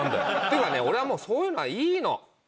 てかね俺はもうそういうのはいいの。